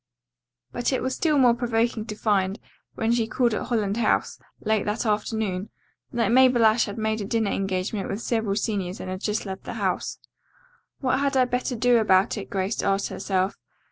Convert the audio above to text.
But it was still more provoking to find, when she called at Holland House, late that afternoon, that Mabel Ashe had made a dinner engagement with several seniors and had just left the house. "What had I better do about it?" Grace asked herself.